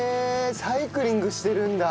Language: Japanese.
サイクリングしてるんだ。